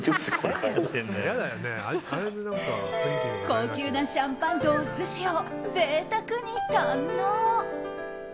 高級なシャンパンとお寿司をぜいたくに堪能。